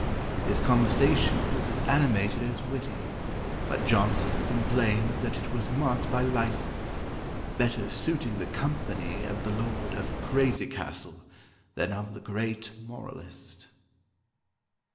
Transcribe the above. His conversation was as animated as witty, but Johnson complained that it was marked by licence, better suiting the company of the Lord of Crazy Castle than of the great moralist."